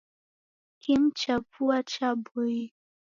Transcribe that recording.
Kimu cha vua cha'aboie